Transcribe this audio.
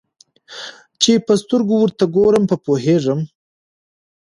چي په سترګو ورته ګورم په پوهېږم